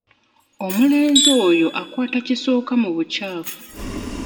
Omulenzi oyo akwata kisooka mu bukyafu.